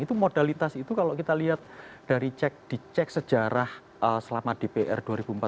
itu modalitas itu kalau kita lihat dari cek di cek sejarah selama dpr dua ribu empat belas